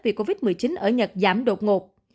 vì covid một mươi chín ở nhật giảm đột ngột